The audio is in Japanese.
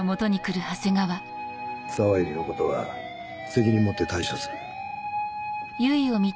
沢入のことは責任持って対処する。